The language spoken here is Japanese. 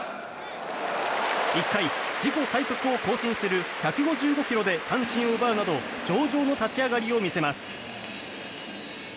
１回、自己最速を更新する１５５キロで三振を奪うなど上々の立ち上がりを見せます。